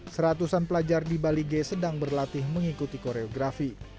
seratusan pelajar di bali g sedang berlatih mengikuti koreografi